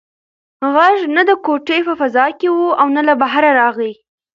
غږ نه د کوټې په فضا کې و او نه له بهره راغی.